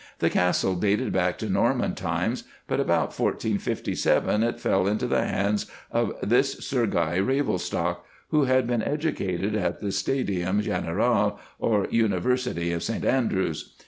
The Castle dated back to Norman times, but about 1457 it fell into the hands of this Sir Guy Ravelstocke, who had been educated at the "Stadium Generale," or University of Saint Andrews.